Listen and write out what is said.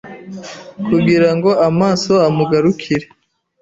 Kugira ngo amaso amugarukire